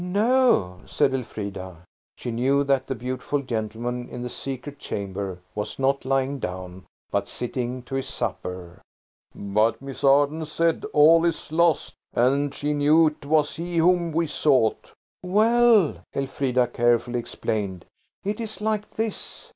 "No," said Elfrida. She knew that the beautiful gentleman in the secret chamber was not lying down, but sitting to his supper. "But Miss Arden said 'All is lost,' and she knew 'twas he whom we sought." "Well," Elfrida carefully explained, "it's like this.